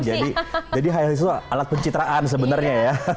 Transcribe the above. jadi high heels itu alat pencitraan sebenarnya ya